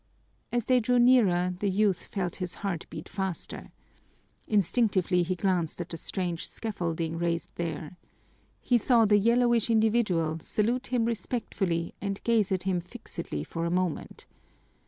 As they drew nearer the youth felt his heart beat faster. Instinctively he glanced at the strange scaffolding raised there. He saw the yellowish individual salute him respectfully and gaze at him fixedly for a moment.